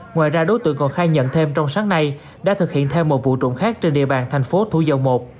ngoài ra đối tượng còn khai nhận thêm trong sáng nay đã thực hiện thêm một vụ trộm khác trên địa bàn thành phố thú dâu i